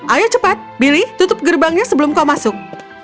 ayo cepat pilih tutup gerbangnya sebelum kau masuk